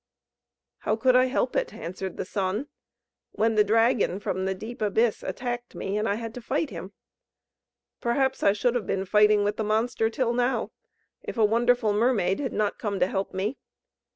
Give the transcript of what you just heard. "How could I help it?" answered the Sun; "When the dragon from the deep abyss attacked me, and I had to fight him? Perhaps I should have been fighting with the monster till now, if a wonderful mermaid had not come to help me.